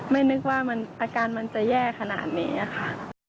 ไม่นึกว่าอาการมันจะแย่ขนาดนี้ค่ะ